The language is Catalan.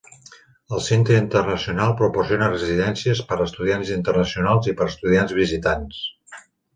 El Centre Internacional proporciona residències per a estudiants internacionals i per a estudiants visitants.